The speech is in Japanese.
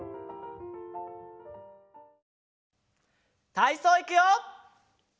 たいそういくよ！